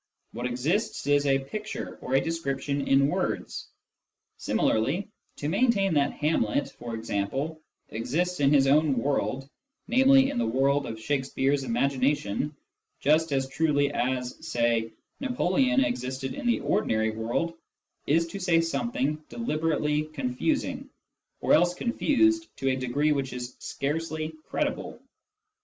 What exists is a picture, or a description in words. Similarly, to maintain that Hamlet, for example, exists in his own world, namely, in the world of Shakespeare's imagination, just* as truly as (say) Napoleon existed in the ordinary world, is to say something deliberately confusing, or else confused to a degree which is scarcely credible.